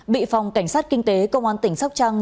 bị phòng cảnh sát kinh tế công an tỉnh sóc trăng